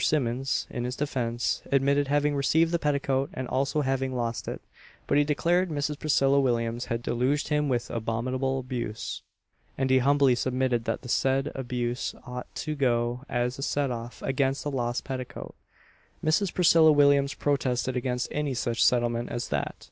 Simmons, in his defence, admitted having received the petticoat, and also having lost it; but he declared Mrs. Priscilla Williams had deluged him with abominable abuse; and he humbly submitted that the said abuse ought to go as a set off against the lost petticoat. Mrs. Priscilla Williams protested against any such settlement as that.